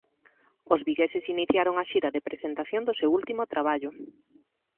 Os vigueses iniciaron a xira de presentación do seu último traballo.